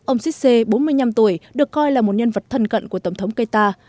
ông sisse bốn mươi năm tuổi được coi là một nhân vật thân cận của tổng thống keita